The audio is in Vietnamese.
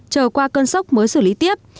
chờ qua cơn sốc mới xử lý tiếp